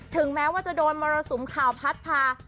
แม้ว่าจะโดนมรสุมข่าวพัดพา